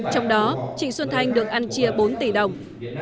trong đó trịnh xuân thanh được ăn chia bốn tỷ đồng